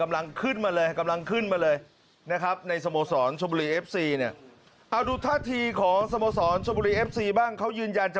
หลังจากนี้น้องจะเดินรับไปหรือเปล่า